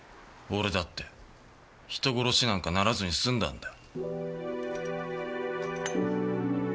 俺だって人殺しなんかならずに済んだんだ。